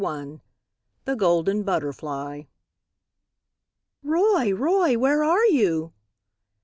THE GOLDEN BUTTERFLY. "Roy! Roy! where are you?"